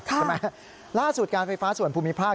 ใช่ไหมล่าสุดการไฟฟ้าส่วนภูมิภาค